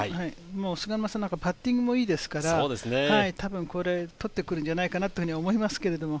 菅沼さんなんか、パッティングもいいですから、多分これ、取ってくるんじゃないかなと思いますけれど。